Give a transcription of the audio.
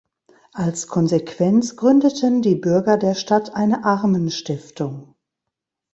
Als Konsequenz gründeten die Bürger der Stadt eine Armenstiftung.